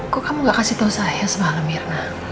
kok kamu gak kasih tau saya semalam mirna